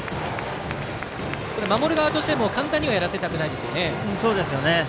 守る側としても簡単にはやらせたくないですね。